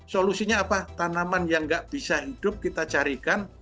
solusinya apa tanaman yang nggak bisa hidup kita carikan